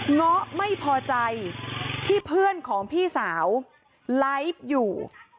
เงาะไม่พอใจที่เพื่อนของพี่สาวไลฟ์อยู่